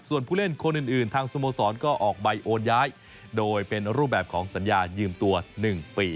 ส่วนผู้เล่นคนอื่นทางสโมสรก็ออกใบโอนย้ายโดยเป็นรูปแบบของสัญญายืมตัว๑ปี